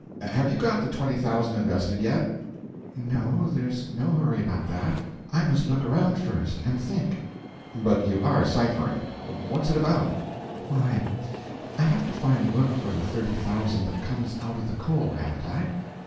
Have you got the twenty thousand invested yet?" "No, there's no hurry about that; I must look around first, and think." "But you are ciphering; what's it about?" "Why, I have to find work for the thirty thousand that comes out of the coal, haven't I?"